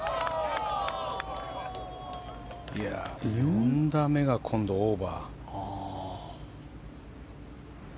４打目が今度はオーバー。